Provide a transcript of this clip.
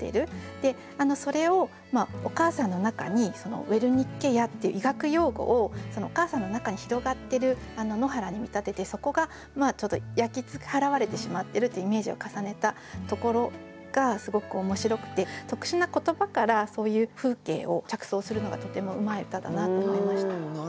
それをお母さんの中にウェルニッケ野っていう医学用語をお母さんの中に広がってる野原に見立ててそこが焼き払われてしまってるっていうイメージを重ねたところがすごく面白くて特殊な言葉からそういう風景を着想するのがとてもうまい歌だなと思いました。